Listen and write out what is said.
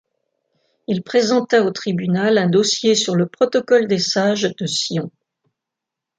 Il présenta au tribunal un dossier sur le Protocole des Sages de Sion.